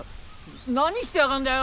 何してやがんだよ！」。